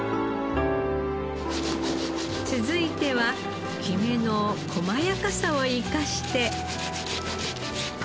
続いてはキメの細やかさを生かして。